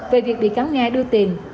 về việc bị cáo nga đưa tiền